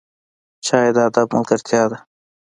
چای د ادب ملګرتیا ده